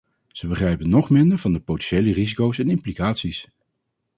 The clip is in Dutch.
Ze begrijpen nog minder van de potentiële risico's en implicaties.